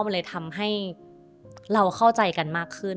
มันเลยทำให้เราเข้าใจกันมากขึ้น